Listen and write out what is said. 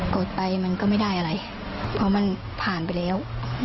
ดไปมันก็ไม่ได้อะไรเพราะมันผ่านไปแล้ว